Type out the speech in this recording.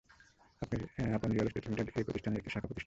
আপন real estate limited এই প্রতিষ্ঠানের একটি শাখা প্রতিষ্ঠান।